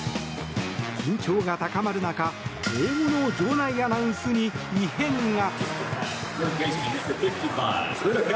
緊張が高まる中英語の場内アナウンスに異変が。